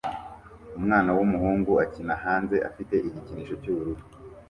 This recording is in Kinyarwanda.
Umwana w'umuhungu akina hanze afite igikinisho cy'ubururu